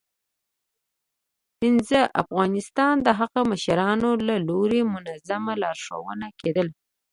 ه افغانستانه د هغو د مشرانو له لوري منظمه لارښوونه کېدله